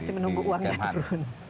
masih menunggu uangnya turun